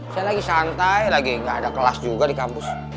saya lagi santai lagi gak ada kelas juga di kampus